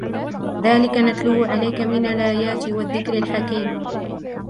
ذلك نتلوه عليك من الآيات والذكر الحكيم